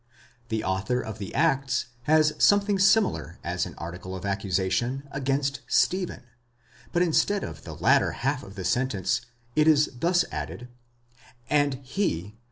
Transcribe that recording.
The author of the Acts has something similar as an article of accusation against Stephen, but instead of the latter half of the sentence it is thus added, and (he, 2.